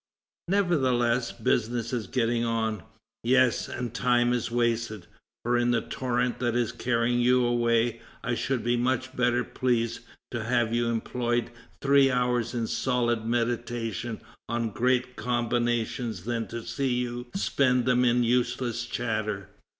"Nevertheless, business is getting on." "Yes, and time is wasted, for in the torrent that is carrying you away, I should be much better pleased to have you employ three hours in solid meditation on great combinations than to see you spend them in useless chatter."